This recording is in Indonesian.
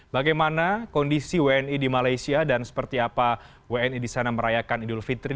bagaimana kondisi wni di malaysia dan seperti apa wni di sana merayakan idul fitri